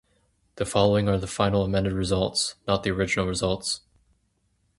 The following are the final amended results, not the original results.